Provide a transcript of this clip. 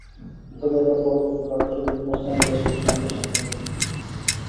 তবে এবারে বড়দিনের প্রাক্কালে বিভিন্ন স্থানে বেশ কিছু সন্ত্রাসী হামলা হয়েছে।